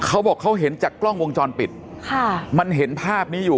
เขาบอกเขาเห็นจากกล้องวงจรปิดค่ะมันเห็นภาพนี้อยู่